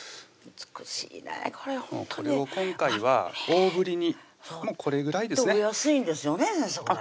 美しいねこれを今回は大ぶりにこれぐらいですねお安いんですよね先生